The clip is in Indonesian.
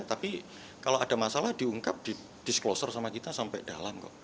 tapi kalau ada masalah diungkap di disclosure sama kita sampai dalam kok